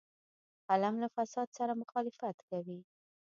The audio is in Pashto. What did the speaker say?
قلم له فساد سره مخالفت کوي